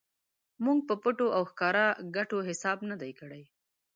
موږ په پټو او ښکاره ګټو حساب نه دی کړی.